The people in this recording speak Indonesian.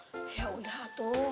ya udah atuh